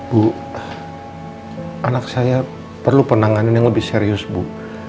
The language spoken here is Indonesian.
bu anak saya perlu penanganan yang lebih serius bu